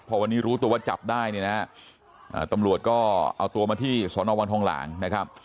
พอวันนี้รู้ตัวว่าจับได้เนี่ยนะฮะตำรวจก็เอาตัวมาที่สอนอวังทองหลางนะครับ